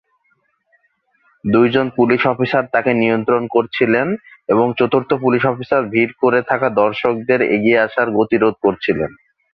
দুইজন police officer তাকে নিয়ন্ত্রণ করছিলেন এবং চতুর্থ পুলিশ অফিসার ভীড় করে থাকা দর্শকদের এগিয়ে আসার গতি রোধ করছিলেন।